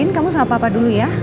din kamu sapa apa dulu ya